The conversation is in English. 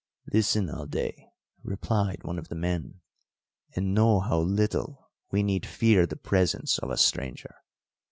"Listen, Alday," replied one of the men, "and know how little we need fear the presence of a stranger.